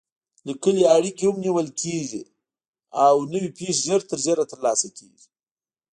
لیکلې اړیکې هم نیول کېږي او نوې پېښې ژر تر ژره ترلاسه کېږي.